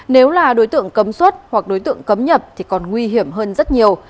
nếu là đối tượng cấm xuất hoặc đối tượng cấm nhập thì còn nguy hiểm hơn rất nhiều